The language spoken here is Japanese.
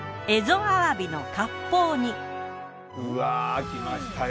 うわぁきましたよ。